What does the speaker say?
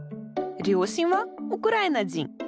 両親はウクライナ人。